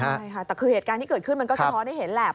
ใช่ค่ะแต่คือเหตุการณ์ที่เกิดขึ้นมันก็สะท้อนให้เห็นแหละ